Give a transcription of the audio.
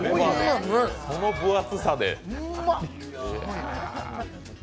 その分厚さで？